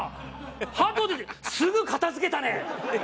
ハト出てすぐ片付けたね！